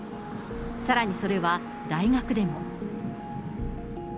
さらにそれは、大学でも。